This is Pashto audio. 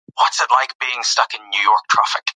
دا سړی هره میاشت د کلي له ښوونځي سره مالي مرسته کوي.